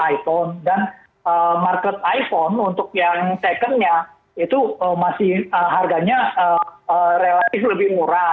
jadi di iphone dan market iphone untuk yang second nya itu masih harganya relatif lebih murah